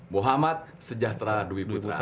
muhammad sejahtera dwi putra